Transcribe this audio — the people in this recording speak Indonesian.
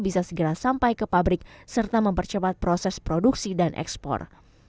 bisa segera sampai ke pabrik serta mempercepat proses produksi dan ekspor